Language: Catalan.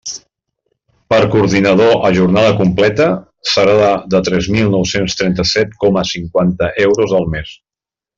Per coordinador a jornada completa, serà de tres mil nou-cents trenta-set coma cinquanta euros al mes.